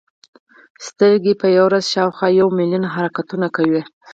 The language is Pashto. سترګې په یوه ورځ شاوخوا یو ملیون حرکتونه کوي.